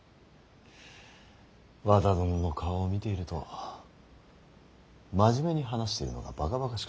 和田殿の顔を見ていると真面目に話しているのがばかばかしくなる。